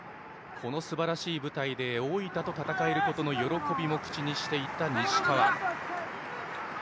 このすばらしい舞台で大分と戦えることの喜びも口にしていた西川。